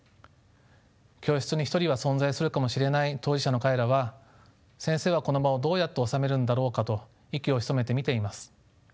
教室に一人は存在するかもしれない当事者の彼らは先生はこの場をどうやっておさめるんだろうかと息を潜めて見ています。